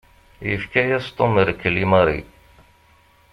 Yefka-yas Tom rrkel i Mary.